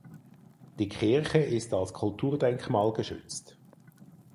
Die Kirche ist als Kulturdenkmal geschützt.